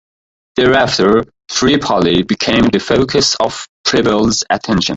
Thereafter, Tripoli became the focus of Preble's attention.